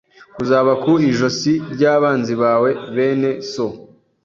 kuzaba ku ijosi ry abanzi bawe Bene so